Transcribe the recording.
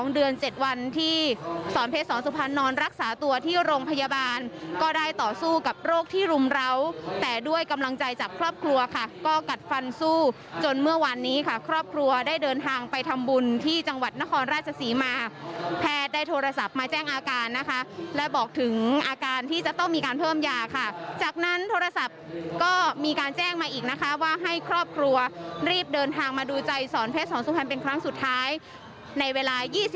ด้วยกำลังใจจากครอบครัวค่ะก็กัดฟันสู้จนเมื่อวันนี้ค่ะครอบครัวได้เดินทางไปทำบุญที่จังหวัดนครราชสีมาแพทย์ได้โทรศัพท์มาแจ้งอาการนะคะและบอกถึงอาการที่จะต้องมีการเพิ่มยาค่ะจากนั้นโทรศัพท์ก็มีการแจ้งมาอีกนะคะว่าให้ครอบครัวรีบเดินทางมาดูใจสอนเพชรสอนสุพรณเป็นครั้งสุดท้ายในเวล